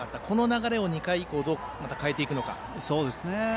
この流れを２回以降どう変えていくのか。